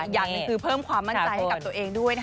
อย่างหนึ่งคือเพิ่มความมั่นใจให้กับตัวเองด้วย